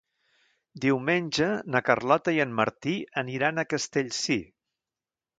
Diumenge na Carlota i en Martí aniran a Castellcir.